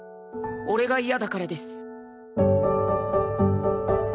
俺が嫌だからです。